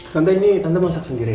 tante ini tante masak sendiri